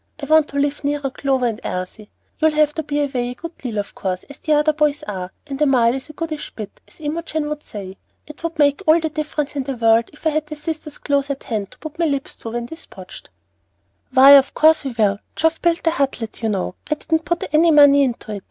I want to live nearer Clover and Elsie. You'll have to be away a good deal, of course, as the other boys are, and a mile is 'a goodish bit,' as Imogen would say. It would make all the difference in the world if I had the sisters close at hand to 'put my lips to when so dispoged.'" "Why, of course we will. Geoff built the Hutlet, you know; I didn't put any money into it.